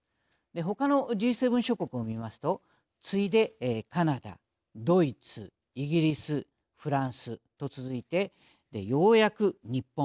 ほかのＧ７諸国を見ますと次いでカナダドイツイギリスフランスと続いてようやく日本。